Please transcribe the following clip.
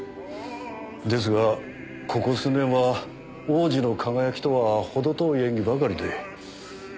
ですがここ数年は往時の輝きとはほど遠い演技ばかりで。